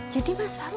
jadi mas faru